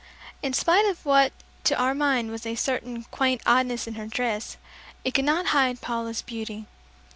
In spite of what to our mind was a certain quaint oddness in her dress, it could not hide Paula's beauty.